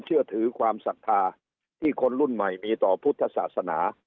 เชื่อถือความศรัทธาที่คนรุ่นใหม่มีต่อพุทธศาสนา